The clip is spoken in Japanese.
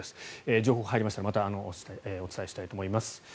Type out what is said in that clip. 情報が入りましたらまたお伝えします。